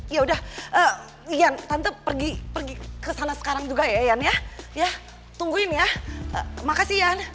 ya udah ian tante pergi ke sana sekarang juga ya ian tungguin ya makasih ian